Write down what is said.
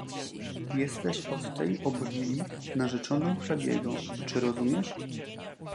"Jesteś od tej obwili narzeczoną hrabiego, czy rozumiesz?"